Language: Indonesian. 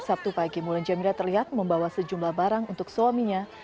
sabtu pagi mulan jamila terlihat membawa sejumlah barang untuk suaminya